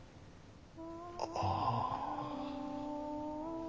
ああ。